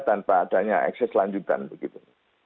tanpa adanya ekses lanjutan begitu